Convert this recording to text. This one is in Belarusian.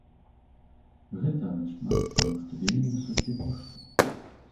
Гэта няшмат, таму што вельмі высокія кошты.